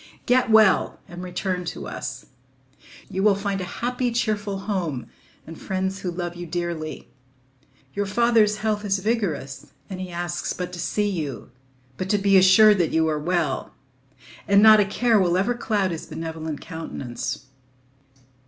"Get well—and return to us. You will find a happy, cheerful home and friends who love you dearly. Your father's health is vigorous, and he asks but to see you, but to be assured that you are well; and not a care will ever cloud his benevolent countenance.